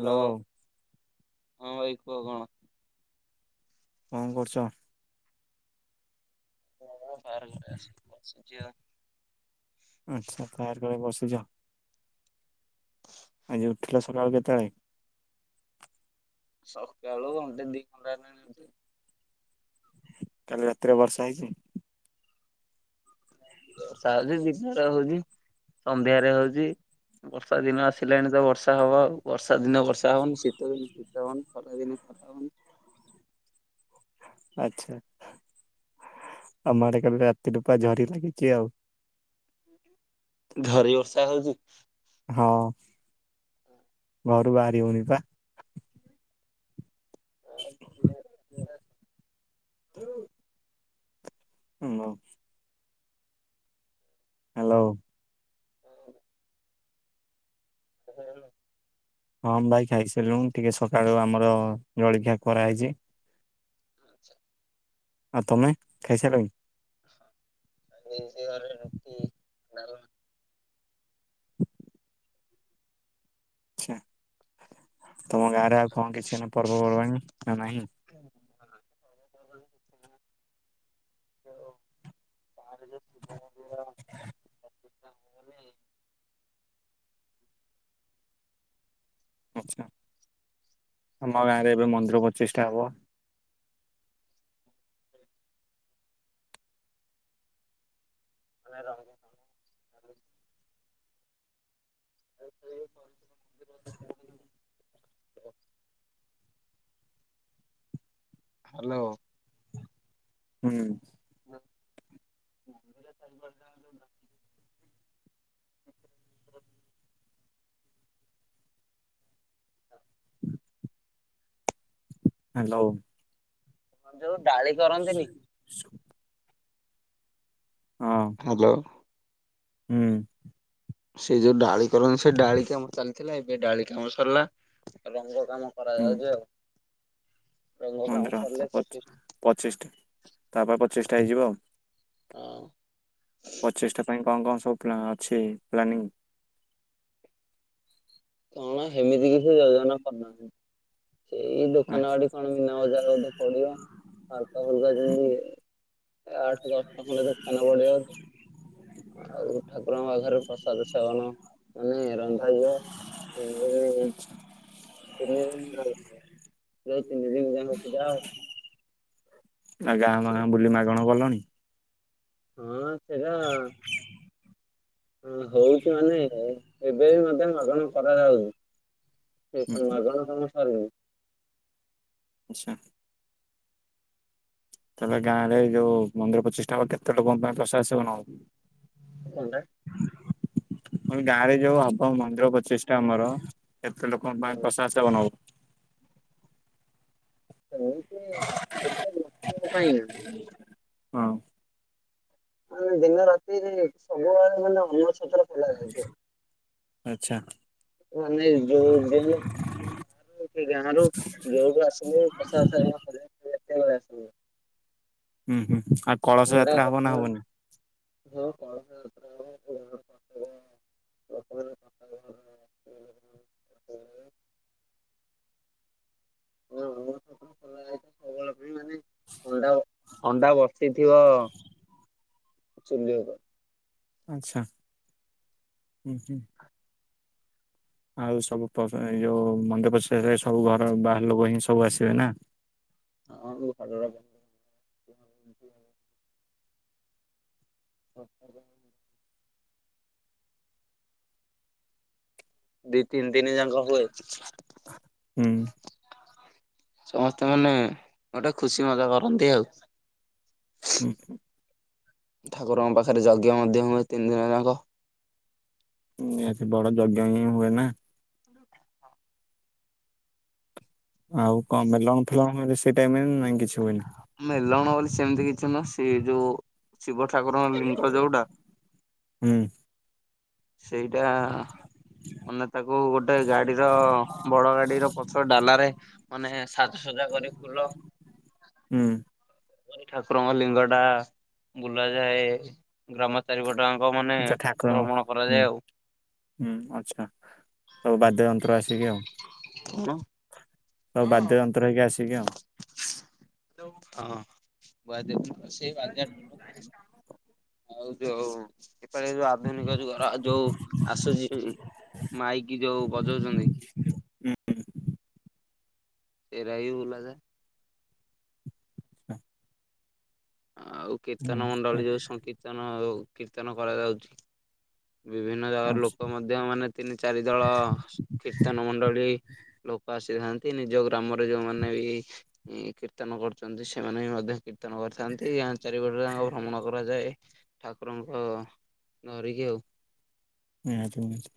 Hello ହଁ ଭାଇ କୁହ କଣ? କଣ କରୁଛ? ହ ବାହାର ଘରେ ଆସିକି ବସିଛି ଆ। ଆଚ୍ଛା ପାର୍କ ରେ ବସିଛ। ହଁ ଆଜି ଉଠିଲ ସକାଳୁ କେତେଳେ? ସକାଳୁ ଘଣ୍ଟେ ଦି ଘଣ୍ଟା [unintelligible] କାଲି ରାତିରେ ବର୍ଷା ହେଇଛି? ବର୍ଷା ହଉଛି ଦିନରେ ହଉଛି ସନ୍ଧ୍ୟାରେ ହଉଛି। ବର୍ଷା ଦିନ ଆସିଲାଣି ତ ବର୍ଷା ହବ ଆଉ ବର୍ଷା ଦିନ ବର୍ଷା ହବନି ଶୀତ ଦିନେ ଶୀତ ହବନି। ଖରା ଦିନେ ଖରା ହଉନି। ଆଛା ଆମ ଆଡେ କାଲି ରାତି ରୁ ପା ଝରି ଲାଗିଛି ଆଉ। ଝରି ବର୍ଷା ହଉଛି। ହଁ ଘରୁ ବାହାରି ହଉନି ବା। [inaudible] [unintelligible] ହ୍ୟାଲୋ। ହଁ [unintelligible] ହଁ ଭାଇ ଖାଇ ସାରିଲୁଣି ଟିକେ ସକାଳୁ ଆମର ଜଳଖିଆ କରାହେଇଛି। ଆଉ ତମେ ଖାଇ ସରିଲାଣି? [unintelligible] ଆଛା ତମ ଗାଁରେ ଆଉ କଣ କିଛି ପର୍ବପର୍ବାଣୀ ନା ନାହିଁ? ଉ ଗାଁରେ ଯୋଉ ଶିବ ମନ୍ଦିର ଆଛା ଆମ ଗାଁରେ ଏବେ ମନ୍ଦିର ପ୍ରତିଷ୍ଟା ହବ। [unintelligible] ତା କହ ହ୍ୟାଲୋ। ହୁଁ। ହରି ହେଲୋ। ଆଉ ଯୋଉ ଡାଳି କରନ୍ତିନି? ହଁ। [inaudible] [inaudible] ସେ ଡ଼ାଳି କାମ ଚାଲିଥିଲା, ଏବେ ଡ଼ାଳି କାମ ସର୍ଲା। ରଙ୍ଗ କାମ [inaudible] ହୁଁ ରଙ୍ଗ କାମ ସରିଲେ ପଚିଶ [inaudible] ହଁ। ପଚିଷ୍ଟା ପାଇଁ କ'ଣ କ'ଣ ସବୁ୍ ଅଛି ପ୍ଲାନିଂ? କ'ଣ ହେମିତି କିଛି ଯୋଜନା କରନାହା, ସେଇ ଦୋକାନ [inaudible] [inaudible] ଆଉ ଠାକୁରଙ୍କ ପାଖରେ ପ୍ରସାଦ ସେବନ ମାନେ ରନ୍ଧାଯିବ। ତିନି ଦିନି ଆଚ୍ଛା ତିନି ଦିନ୍‌ ରହି, ସେଇ ତିନି ଦିନ୍‌ ଯା------ପୂଜା ଆଉ। ଆ ଗାଁ ହଉଛି ବୁଲି ମାଗଣ ଲଣି। ହଁ! ସେ [unintelligible] ଏଇତ ହୁଁ, ମାଗଣ କାମ ସରିନି। [inaudible] ତା'ହେଲେ ଗାଁ ରେ ଯଉ ମନ୍ଦିର ପଚିଷ୍ଟା, କେତେ ଲୋକଙ୍କ ପାଇଁ ପସାଦ ସେବନ କଣ୍ଟା ଗାଁ, ରେ ଯଉ ହବ ମନ୍ଦିର ପଚିଷ୍ଟା ଆମର। କେତେ ଲୋକଙ୍କ ପାଇଁ ପସାଦ୍‌ ସେବନ [unintelligible] ହୁଁ [unintelligible] [inaudible] ମାନେ ଦିନ ରାତିରେ ସବୁବଳେ ମାନେ ଅନ ଛ ଆଚ୍ଛା। [inaudible] [unintelligible] ଉଁ ହୁଁ, ଆ କଳସ ଥଣ୍ଡା ଯାତ୍ରା ହବ ନା ଯାତ୍ରା ହବନି? [inaudible] ହବ। ଲୋକମାନେ ସବୁବେଳେ [inaudible] [unintelligible] [inaudible] ଆଚ୍ଛା। ଆଉ ସବୁ ମନ୍ଦି---ପ--ଷ୍ଟା ହେଲେ, ସବୁ ଘର ବାହାର୍ ଲୋକ ହିଁ ସବୁ ଆସିବେ ନା? [inaudible] ହ [unintelligible] ଦି ତିନ୍‌ ଯାଙ୍କ ହୁଏ। ହୁଁ ସମସ୍ତେ ମାନେ ଗୋଟେ ଖୁସି ମଜା କରନ୍ତି ଆଉ। [inaudible] ଠାକୁରଙ୍କ ପାଖରେ ଯଜ୍ଞ ମଧ୍ୟ ହୁଏ, ତିନ୍‌ ଦି ଯା ନିହାତି ବଡ଼ ଯଜ୍ଞ ହିଁ ହୁଏ ନା। ଆଉ ଙ୍କ ମେଲଣ ଫେଲଣ ସେଇ ଟାଇମ୍ ରେ ନାଇଁ କିଛି ହୁଏନି? ମେଲଣ ବୋଲି ସେମ୍ତି କିଛି ନୁହଁ, ସେ ଯ ଶିବ ଠାକୁରଙ୍କ ଲିଙ୍ଗ ଯଉଟା। [inaudible] ସେଇଟା ତାକୁ ଗୋଟେ ଗାଡ଼ିର ବଡ ଗାଡ଼ିର ପଛ ଡାଲାରେ ମାନେ ସାଜ୍‌ସଜା କରି ଫୁଲ [inaudible] ଠାକୁରଙ୍କ ଲିଙ୍ଗ ଟା ବୁଲାଯାଏ, ଗ୍ରାମ ଚାରି ପଟ ଆଙ୍କ ମାନେ, ଆଚ୍ଛା ଠାକୁରଙ୍କ ଭ୍ରମଣ ହୁଁ କରାଯାଏ ଆଉ। ହୁଁ ଆଚ୍ଛା। ଆଉ ବାଦ୍ୟ ଯନ୍ତ୍ର ଆସିକି ଆଉ କଣ? ସବୁ ବାଦ୍ୟ ଯନ୍ତ୍ର ହେଇକି ଆସିକି ଆଉ। ହଁ ବା ସୋଲ [unintelligible] ଆଉ ଯୋଉ, ଏପଟ ଯୋଉ, ଆଧୁନିକ ଯୋଉ ଘର ଯୋଉ ଆସୁଛି ମାଇକି ଯୋଉ ବଜଉଛନ୍ତି ହୁଁ ହୁଁ। ଏରାଇ ବୁଲା ଯାଏ। ଆଛା [unintelligible] ଆଉ କୀର୍ତ୍ତନ ଏ ମଣ୍ଡଳୀ ଯୋଉ ସଂକୀର୍ତ୍ତନ କୀର୍ତ୍ତନ କରାଯାଉଛି ବିଭିନ୍ନ ଜାଗାର ଆଚ୍ଛା ଲୋକ ମଧ୍ୟ ମାନେ ତିନି ଚାରି ଦଳ କୀର୍ତ୍ତନ ମଣ୍ଡଳୀ ଲୋକ ଆସିଥାନ୍ତି ନିଜ ଗ୍ରାମରେ ଯୋଉମାନେ ବି ଏ କୀର୍ତ୍ତନ କରୁଛନ୍ତି। ସେମାନେ ବି ମଧ୍ୟ କୀର୍ତ୍ତନ କରିଥାନ୍ତି। ଚାରିପଟ ତାଙ୍କ ଭ୍ରମଣ କରାଯାଏ। ଠାକୁରଙ୍କ ଧରିକି ଆଉ ନିହାତି ନିହାତି।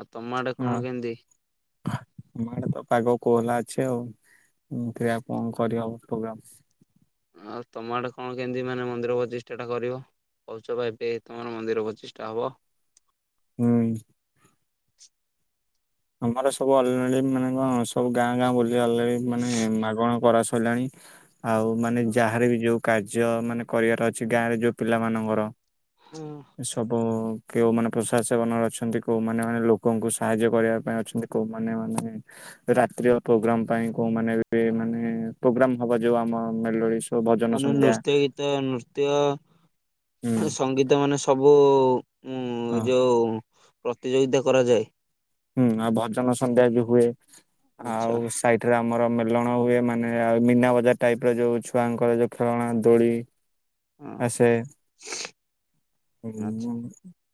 ଆଉ ତମ ଆଡ଼େ ହଁ କଣ କେମିତି? ଆମ ଆଡେ ତ ପାଗ କୋହଲା ଅଛି ଆଉ। କୀରା କଣ କରିହବ ପ୍ରୋଗ୍ରାମ? ଆଉ ତମ ଆଡ଼େ କଣ କେମିତି ମାନେ ମନ୍ଦିର ପଚିଷ୍ଟା ଟା କରିବ? କଉଛ ପା ଏବେ ତମର ମନ୍ଦିର ପଚିଶଟା ହବ? ହୁଁ। ଆମର ସବୁ ଅଲ ମାନେ କଣ ସବୁ ଗାଁ ଗାଁ ବ ମାନେ ମାଗଣା କର ସରିଲାଣି ଆଉ ମାନେ ଯାହାର ବି ଯୋଉ କାର୍ଯ୍ୟ ମାନେ କରିବାର ଅଛି ଗାଁ ରେ ଯୋଉ ପିଲାମାନଙ୍କର ହୁଁ। ସବୁ କେଉଁମାନେ ପ୍ରଶାସକନ ଅଛନ୍ତି କେଉମାନେ ମାନେ ଲୋକଙ୍କୁ ସାହାଯ୍ୟ କରିବା ପାଇଁ ଅଛନ୍ତି କୋଉ ମାନେ ମାନେ ରାତ୍ରିୟ ପ୍ରୋଗ୍ରାମ ପାଇଁ କୋଉମାନେ ବି ମାନେ ପ୍ରୋଗ୍ରାମ ହବ ଯୋଉ ଆମ ମେଲୋଡ଼ି ମାନେ ନୃତ୍ୟ ଗୀତ ନୃତ୍ୟ ହଁ ସଙ୍ଗୀତ ମାନେ ସବୁ ଉଁ ଏଇ ଯୋଉ ପ୍ରତିଯୋଗିତା କରାଯାଏ। ହୁଁ ଆଉ ଭଜନ ସନ୍ଧ୍ୟା ବି ହୁଏ ଆଚ୍ଛା। ଆଉ। ସାଇଠରେ ଆମର ମେଲଣ ହୁଏ। ମାନେ ଆଉ ମୀନା ବଜାର ଟାଇପ୍ ର ଯେଉଁ ଛୁଆଙ୍କର ଯେଉଁ ଖେଳଣା ଦୋଳି ହଁ। ଆସେ ଆଚ୍ଛା [unintelligible]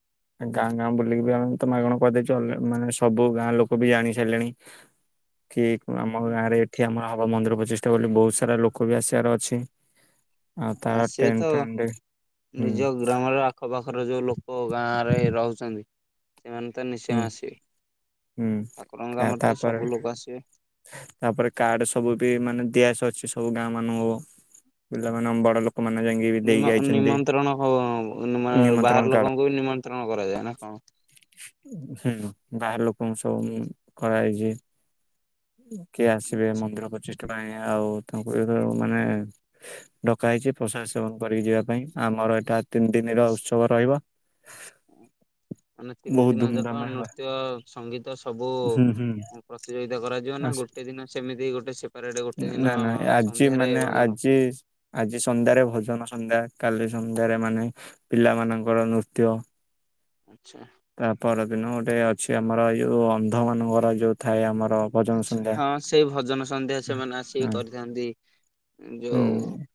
ଗାଁ ଗାଁ ବୁଲିକି ବି ଆମେ ତ ମାଗଣା କରିଦେଇଛୁ ମାନେ ସବୁ ଗାଁ ଲୋକ ବି ଜାଣି ସାରିଲେଣି। ହଁ କି ଆମ ଗାଁ ରେ ଏଠି ଆମର ହବା ମନ୍ଦିର ପ୍ରଚୀଷ୍ଟା କଲେ ବହୁତ ସାରା ଲୋକ ବି ଆସିବାର ଅଛି ଆଉ ଆ ତାର ସିଏ ଟେଣ୍ଟ ତ ଫେଣ୍ଟ, ହୁଁ। ନିଜ ଗ୍ରାମର ଆଖପାଖର ଯୋଉ ଲୋକ ଗାଁରେ ରହୁଛନ୍ତି ସେମାନେ ତ ନିଶ୍ଚୟ ହୁଁ ଆସିବେ। ହୁଁ ଠାକୁରଙ୍କ ତା- କାମରେ ତ ତାପରେ ସବୁ ଲୋକ ଆସିବେ। ତାପରେ କାର୍ଡ ସବୁ ବି ମାନେ ଦିଆ ସରିଛି ସବୁ ଗାଁ ମାନଙ୍କୁ ପିଲାମାନେ ଆମ ବଡ ଲୋକ ଲୋକ ମାନେ ଯାଇଙ୍କି ନିମ-ନିମନ୍ତ୍ରଣ ହ ନିମନ୍ତ୍ରଣ ବାହାର କାର୍ଡ ଲୋକଙ୍କୁ ବି ନିମନ୍ତ୍ରଣ କରାଯାଏ ନା କଣ? ହୁଁ ବାହାର ଲୋକଙ୍କୁ ସବୁ କରାଯାଇଛି। କିଏ ଆସିବେ ମନ୍ଦିର ପ୍ରଚିଷ୍ଟ ପାଇଁ ଆଉ ତାଙ୍କୁ ମାନେ ଡକା ହେଇଛି ପ୍ରସାଦ ସେବନ କରିକି ଯିବା ପାଇଁ। ଆମର ଏଇଟା ତିନି ଦିନ ର ଉତ୍ସବ ରହିବ। ହ ମାନେ ତିନି ଦିନ ଯାକ ନୃତ୍ୟ ସଙ୍ଗୀତ ସବୁ। ହୁଁ ହୁଁ ଉଁ ପ୍ରତିଯୋଗିତା କରାଯିବ ନା ଗୋଟେ ଦିନ ସେମିତି ଗୋଟେ ସେପାରେଟ ଗୋଟେ ନା ଦିନ। ନା ଆଜି ସନ୍ଧ୍ୟାରେ ମାନେ ଭଜନ। ଆଜି ଆଜି ସନ୍ଧ୍ୟାରେ ଭଜନ ସନ୍ଧ୍ୟା କାଲି ସନ୍ଧ୍ୟାରେ ମାନେ। ପିଲା ମାନଙ୍କର ନୃତ୍ୟ। ଆଚ୍ଛା। ତା ପର ଦିନ ଗୋଟେ ଅଛି ଆମର ଏ ଯୋଉ ଅନ୍ଧ ମାନଙ୍କର ଯୋଉ ଥାଏ ଆମର। ଭଜନ ଆଛା ସନ୍ଧ୍ୟା। ହଁ ସେ ଭଜନ ସନ୍ଧ୍ୟା ସେମାନେ ଆସିକି ହଁ କରିଥାନ୍ତି ଯୋଉ। ହୁଁ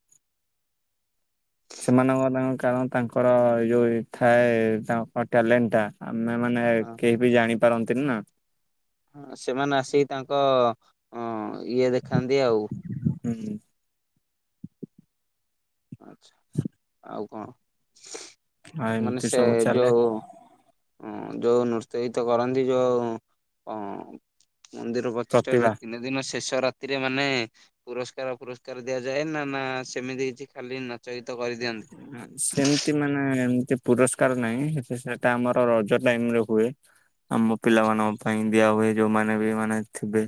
ସେମାନଙ୍କ ତାଙ୍କ କାରଣ ତାଙ୍କର ଏ ଯୋଉ ଥାଏ ତାଙ୍କ ଟ୍ୟାଲେଣ୍ଟଟା‌। ଆମେ ମାନେ ହଁ କେହି ବି ଜାଣିପାରନ୍ତିନି ନା। ହଁ ସେମାନେ ଆସିକି ତାଙ୍କ ଅଁ ଇଏ ଦେଖାନ୍ତି ଆଉ। ହୁଁ। ଆଚ୍ଛା ଆଉ ଆଉ କଣ ମାନେ ଏମିତି ସେ ସବୁ ଚାଲେ ଯୋଉ‌। ଉଁ ଯୋଉ ନୃତ୍ୟହିତ କରନ୍ତି ଯୋଉ ଅଁ। ମନ୍ଦିର ପଚିଷ୍ଟା ପ୍ରତିଭା। ଯୋଉ ତିନେ। ସେ ଦିନ ଶେଷ ରାତିରେ ମାନେ ପୁରସ୍କାର ପୁରସ୍କାର ଦିଆଯାଏ ନା ନା ସେମିତି କିଛି କାଲିନା। ସେମ ଏମିତି ମାନେ ଏମତି ପୁରସ୍କାର ନାହିଁ ସେଟା ଆମର ରଜ ଟାଇମରେ ହୁଏ। ଆମ ଆଚ୍ଛା ପିଲାମାନାନଙ୍କ ପାଇଁ ଦିଆ ହୁଏ ଯୋଉମାନେ ବି ମାନେ ଥିବେ।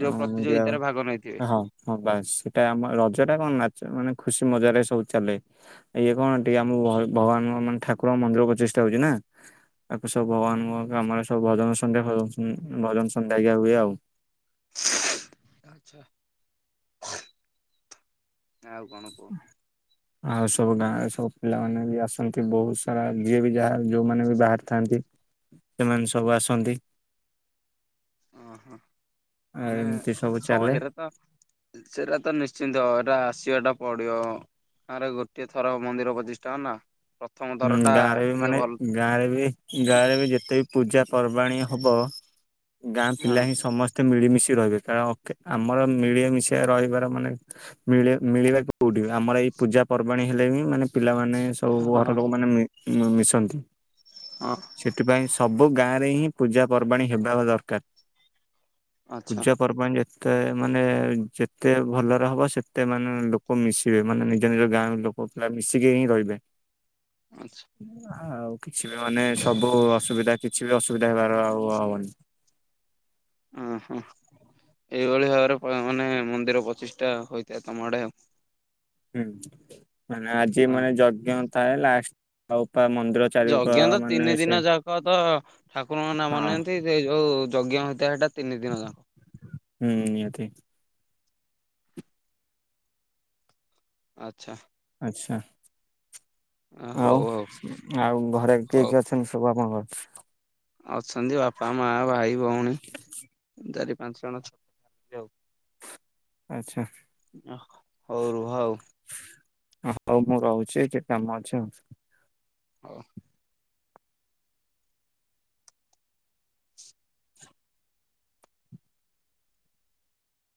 ଯୋଉ ଦିଆ ପ୍ରତିଯୋଗିତାରେ ହୁଏ‌ ଭାଗ ନେଇଥିବେ। ହଁ। ହଁ ବାସ ସେଇଟା ଆମ ରଜ ଟା କଣ ନାଚ ମାନେ ଖୁସି ମଜାରେ ସବୁ ଚାଲେ। ଇଏ କଣ ଟିକେ ଆମ ଭଗବାନ ମାନେ ଠାକୁରଙ୍କ ମନ୍ଦିର ପ୍ରତିଷ୍ଟା ହଉଛି ନା। ତାଙ୍କୁ ସବୁ ଭଗବାନଙ୍କ କାମରେ ସବୁ ଭଜନ ସନ୍ଧ୍ୟା ଭଜନ ସନ୍ଧ୍ୟା ରିକା ହୁଏ ଆଉ। ଆଉ କଣ କୁହ। ଆଉ ସବୁ ଗାଁରେ ସବୁ ପିଲାମାନେ ବି ଆସନ୍ତି ବହୁତ ସାରା ଯିଏ ବି ଯାହା ଯୋଉମାନେ ବି ବାହାରିଥାନ୍ତି। ସେମାନେ ସବୁ ଆସନ୍ତି। ଅଁ ହ ଆଉ ମାନେ ଏମିତି ସବୁ ଚାଲେ। ସହଜେରେ ତ। ସେରା ତ ନିଶ୍ଚିନ୍ତ ଏରା ଆସିବାଟା ପଡିବ। ତାଙ୍କର ଗୋଟିଏ ଥର ମନ୍ଦିର ପଚିଶ୍ଟା ଅ ନା। ପ୍ରଥମ ଥର ହୁଁ ଟା ଗାଁରେ ବି ଟିକେ ମାନେ ଭଲ ଗାଁରେ ବି ଗାଁରେ ବି ଯେତେ। ପୂଜା ପର୍ବାଣୀ ହବ ଗାଁ ହଁ। ପିଲା ହିଁ ସମସ୍ତେ। ମିଳିମିଶି ରହିବେ କାରଣ କେ ଆମର ମିଳି ମିିଶି ଆ ରହିବାର ମାନେ। ମିଳେ ମିଳିବା କୋଉଠି ଆମର ଏଇ ପୂଜା ପର୍ବାଣୀ ହେଲେ ହିଁ ମାନେ ପିଲାମାନେ। ହଁ। ମାନେ ମୁଁ ମିଶନ୍ତି। ହଁ। ସେଥିପାଇଁ ସବୁ ଗାଁ ରେ ହିଁ ପୂଜା ପର୍ବାଣୀ ହେବା ଦରକାର। ଆଚ୍ଛା ପୂଜଜା ପର୍ବାଣୀ ଯେ‌ ତେ ମାନେ ଯେତେ ଭଲରେ ହବ ସେତେ ମାନେ ଲୋକ ମିଶିବେ ମାନେ ନିଜ ନିଜ ଗାଁର ଲୋକ। ପୁଅ ପିଲା ମିଶିକି ହିଁ ରହିବେ। ଆଚ୍ଛା। ଆଉ କିଛି ବି ମାନେ ସବୁ ଅସୁବିଧା କିଛି ବି ଅସୁବିଧା ହେବାର ଆଉ ହବନି। ଅଁ ହଁ ଏଇଭଳି ଭାବରେ ମାନେ ମନ୍ଦିର ପଚିଷ୍ଟା ଟା ହୋଇଥାଏ ତମ ଆଡେ ଆଉ। ହୁଁ ମାନେ ଆଜି ହଁ ମାନେ ଯଜ୍ଞ ଥାଏ ଲାଷ୍ଟ ଆଉ ତା ମନ୍ଦିର। ଚାରିକ ଯଜ୍ଞ ତ ମାନେ ତିନି ସେ ଦିନ ଯାକ ତ ଠାକୁରଙ୍କ ନାମ ହଁ ନିଅନ୍ତି। ଯୋଉ ଯଜ୍ଞ ହୋଇଥାଏ ସେଇଟା ତିନି ଦିନ ଯାକ। ହୁଁ ନିହାତି। ଆଚ୍ଛା। ଆଛା, ହଉ ଆଉ, ହଉ ଆଉ ଘରେ କିଏ ହଉ କିଏ ଅଛି? ଏମ୍ ସବୁ ଆପଣଙ୍କର? ଅଛନ୍ତି, ବାପା, ମା, ଭାଇ, ଭଉଣୀ। ଚାରି ପାଞ୍ଚ ଜଣ ଅଛୁ। ଆଚ୍ଛା। ଅ ହଉ, ରୁହ ଆଉ। ଅ ହଉ, ମୁଁ ରହୁଛି। ଟିକେ କାମ ଅଛି ଆଉ? ହଉ